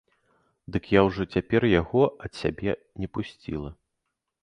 Дык я ўжо цяпер яго ад сябе не пусціла.